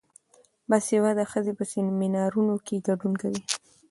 باسواده ښځې په سیمینارونو کې ګډون کوي.